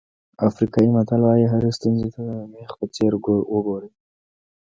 افریقایي متل وایي هرې ستونزې ته د مېخ په څېر وګورئ.